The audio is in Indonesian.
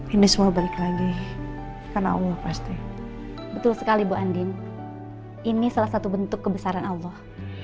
ini semua balik lagi karena allah pasti betul sekali bu andin ini salah satu bentuk kebesaran allah